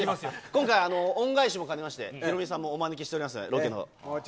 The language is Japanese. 今回、恩返しも兼ねまして、ヒロミさんもお招きしております、ロケのほう。